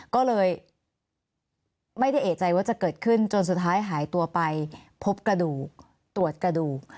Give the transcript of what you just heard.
ก็เลยไม่ได้เอกใจว่าจะเกิดขึ้นจนสุดท้ายหายตัวไปพบกระดูกตรวจกระดูก